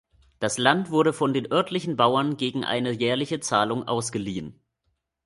Das Land wurde von den örtlichen Bauern gegen eine jährliche Zahlung ausgeliehen.